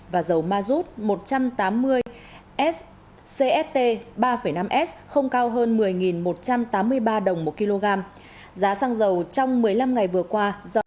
và dầu mazut một trăm tám mươi s cst ba năm s không cao hơn một mươi một trăm tám mươi ba đồng một kg giá xăng dầu trong một mươi năm ngày vừa qua do